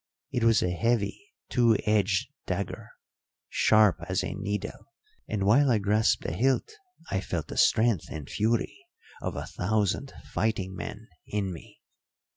It was a heavy two edged dagger, sharp as a needle, and while I grasped the hilt I felt the strength and fury of a thousand fighting men in me.